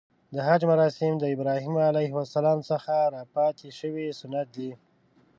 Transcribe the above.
د حج مراسم د ابراهیم ع څخه راپاتې شوی سنت دی .